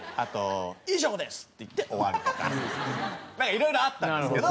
いろいろあったんですけど。